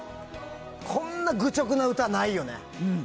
こんな愚直な歌ないよね。